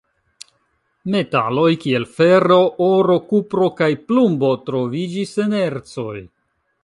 Metaloj kiel fero, oro, kupro kaj plumbo troviĝis en ercoj.